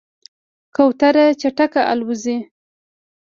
کوتره چټکه الوزي.